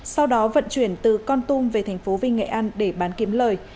sau đó vận chuyển từ con tum về thành phố vinh nghệ an để bán kiếm lời